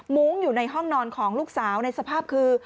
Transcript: มุ้งอยู่ในห้องนอนของลูกสาวในสภาพคือ